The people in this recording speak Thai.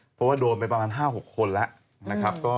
เพราะว่าโดนเป็นบางล้านห้าหกคนละฮะ